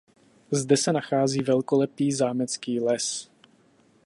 Zde se nachází velkolepý zámecký les.